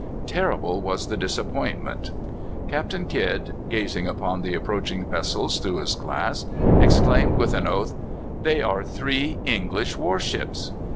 Terrible was the disappointment. Captain Kidd, gazing upon the approaching vessels through his glass, exclaimed, with an oath, "They are three English war ships."